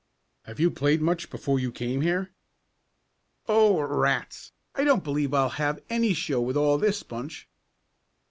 "Have you played much before you came here?" "Oh, rats! I don't believe I'll have any show with all this bunch!"